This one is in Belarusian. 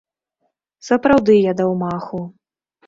Сапраўды, я даў маху.